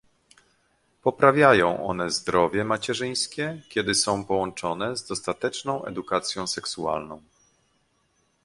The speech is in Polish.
Poprawiają one zdrowie macierzyńskie, kiedy są połączone z dostateczną edukacją seksualną